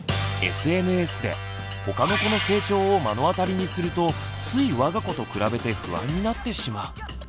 ＳＮＳでほかの子の成長を目の当たりにするとつい我が子と比べて不安になってしまう。